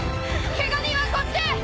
ケガ人はこっちへ！